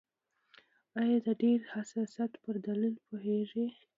آیا د ډېر حساسیت پر دلیل پوهیږئ؟